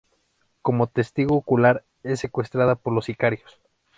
Como testigo ocular, es secuestrada por los sicarios.